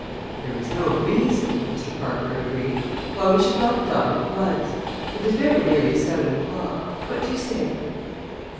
"There is no reason," Mr. Parker agreed, "why we should not dine at once. It is very nearly seven o'clock. What do you say?"